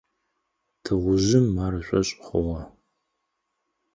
Тыгъужъым ар ышӀошъ хъугъэ.